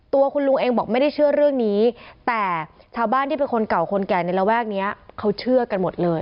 ตัวคุณลุงเองบอกไม่ได้เชื่อเรื่องนี้แต่ชาวบ้านที่เป็นคนเก่าคนแก่ในระแวกนี้เขาเชื่อกันหมดเลย